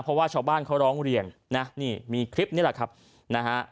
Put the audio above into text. เพราะว่าชาวบ้านเขาร้องเรียนนะนี่มีคลิปนี้แหละครับนะฮะ